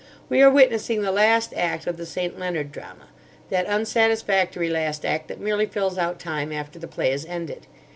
We are witnessing the last act of the St. Leonard drama: that unsatisfactory last act that merely fills out time after the play is ended!